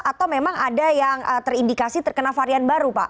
atau memang ada yang terindikasi terkena varian baru pak